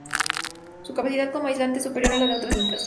Su capacidad como aislante es superior a la de otras micas.